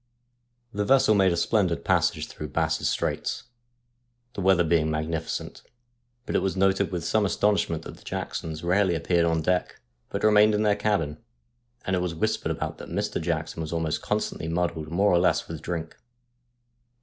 The vessel made a splendid passage through Bass's Straits, the weather being magnificent, but it was noted with some astonishment that the Jacksons rarely appeared on deck, but remained in their cabin, and it was whispered about that Mr. Jackson was almost constantly muddled more or less with drink.